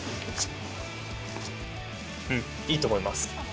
うん、いいと思います。